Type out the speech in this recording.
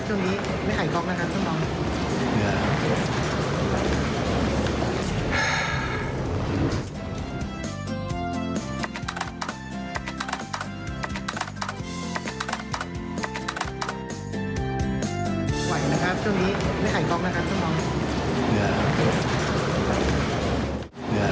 ช่วงนี้ไม่ไหกรอกนะครับช่วงนี้